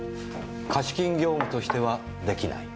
貸金業務としてはできない？